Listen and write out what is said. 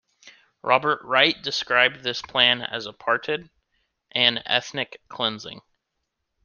Robert Wright described this plan as "apartheid" and "ethnic cleansing.